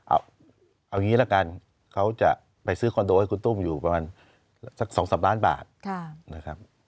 เอาอย่างนี้ละกันเขาจะไปซื้อคอนโดให้คุณตุ้มอยู่ประมาณสัก๒๓ล้านบาทนะครับ